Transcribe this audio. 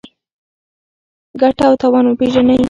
ګټه او تاوان وپېژنئ.